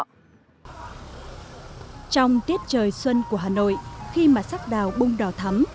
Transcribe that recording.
trong tiết trời xuân của hà nội khi mà sắc đào bung đỏ thắm